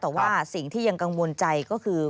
แต่ว่าสิ่งที่ยังกังวลใจก็คือ